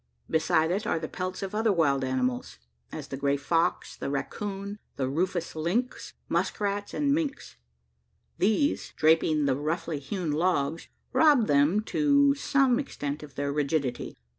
Beside it are the pelts of other wild animals as the grey fox, the racoon, the rufous lynx, musk rats, and minks. These, draping the roughly hewn logs, rob them to some extent of their rigidity.